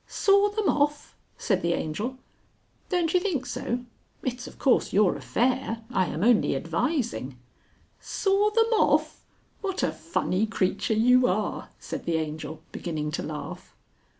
"Saw them off!" said the Angel. "Don't you think so? It's of course your affair. I am only advising " "Saw them off! What a funny creature you are!" said the Angel, beginning to laugh.